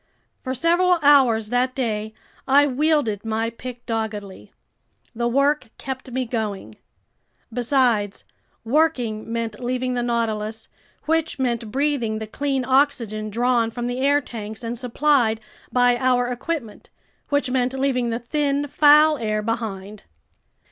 For several hours that day, I wielded my pick doggedly. The work kept me going. Besides, working meant leaving the Nautilus, which meant breathing the clean oxygen drawn from the air tanks and supplied by our equipment, which meant leaving the thin, foul air behind.